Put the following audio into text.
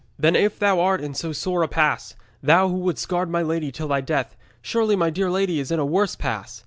'Then if thou art in so sore a pass, thou who wouldst guard my lady till thy death, surely my dear lady is in a worse pass?